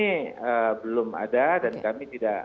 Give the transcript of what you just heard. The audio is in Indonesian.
sudah ada atau belum ada dan kami tidak